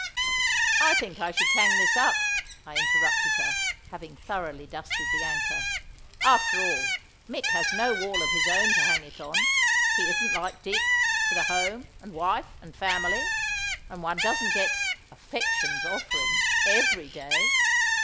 "I think I should hang this up," I interrupted her, having thoroughly dusted the anchor; "after all, Mick has no wall of his own to hang it on; he isn't like Dick, with a home and wife and family—and one doesn't get 'affection's offering' every day!"